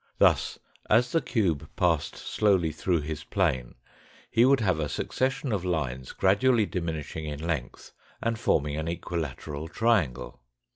Thus, as the cube passed slowly through his plane, he would have a suc cession of lines gradually diminishing in length and forming an equilateral triangle.